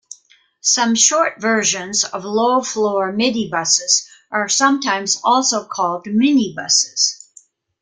Some short versions of low floor midibuses are sometimes also called minibuses.